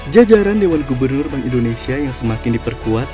jajaran dewan gubernur bank indonesia yang semakin diperkuat